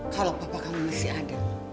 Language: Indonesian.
kalau bapak kamu masih ada